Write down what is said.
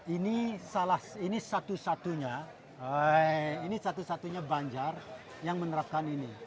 ini satu satunya ini satu satunya banjar yang menerapkan ini